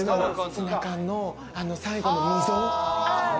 ツナ缶の最後の溝。